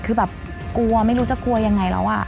คือแบบกลัวไม่รู้จะกลัวยังไงแล้ว